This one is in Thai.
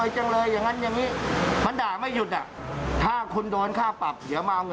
จริงแล้วไม่ทั้งใครจะแบบประกาศกับฟัน